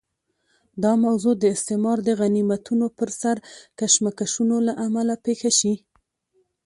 دا موضوع د استعمار د غنیمتونو پر سر کشمکشونو له امله پېښه شي.